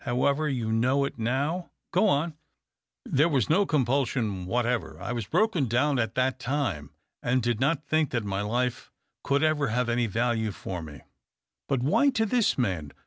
However, you know it now. Go on !" There was no compulsion whatever. I was broken down at that time, and did not THE OCTAVE OF CLAUDIUS. 297 think that my life could ever have any value for me." " But why to this man